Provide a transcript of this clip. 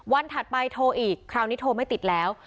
ถัดไปโทรอีกคราวนี้โทรไม่ติดแล้ว